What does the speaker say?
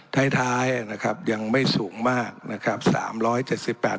ท้ายท้ายนะครับยังไม่สูงมากนะครับสามร้อยเจ็ดสิบแปด